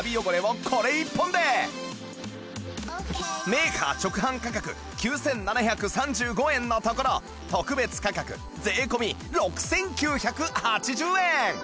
メーカー直販価格９７３５円のところ特別価格税込６９８０円